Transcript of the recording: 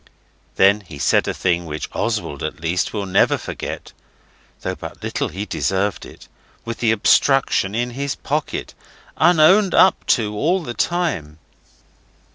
Then he said a thing which Oswald at least will never forget (though but little he deserved it, with the obstruction in his pocket, unowned up to all the time).